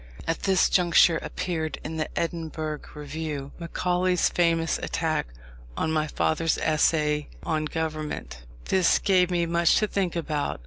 At this juncture appeared in the Edinburgh Review, Macaulay's famous attack on my father's Essay on Government. This gave me much to think about.